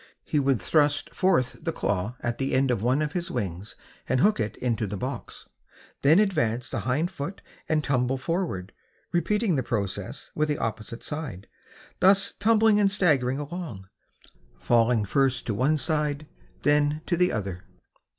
He would thrust forth the claw at the end of one of his wings and hook it into the box, then advance the hind foot and tumble forward, repeating the process with the opposite side, thus tumbling and staggering along, falling first to one side, then to the other.